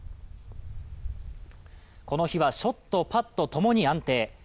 この日はショット、パットともに安定。